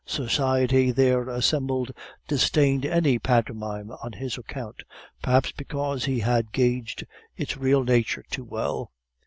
Society there assembled disdained any pantomime on his account, perhaps because he had gauged its real nature too well.